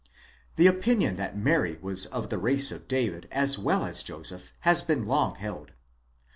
9 The opinion that Mary was of the race of David as well as Joseph has been long held.